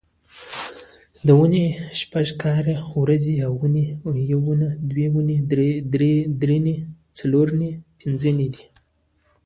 د اونۍ شپږ کاري ورځې اونۍ، یونۍ، دونۍ، درېنۍ، څلورنۍ، پینځنۍ دي